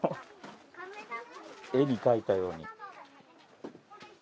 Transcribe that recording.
絵に描いたように。